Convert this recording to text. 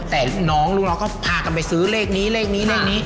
แต่น้องโลกก็พากันไปซื้อเลขนี้